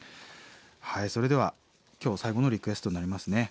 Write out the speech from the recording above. それでは今日最後のリクエストになりますね。